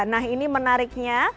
nah ini menariknya